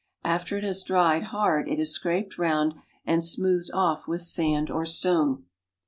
After it has dried hard it is scraped round and smoothed off with sand or stone.